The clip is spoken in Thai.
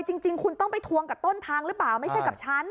จริงคุณต้องไปทวงกับต้นทางหรือเปล่าไม่ใช่กับฉัน